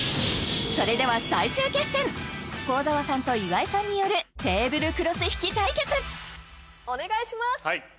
それでは最終決戦幸澤さんと岩井さんによるテーブルクロス引き対決お願いします